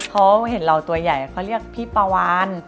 เขาเห็นเราตัวใหญ่เขาเรียกพี่ปาวาน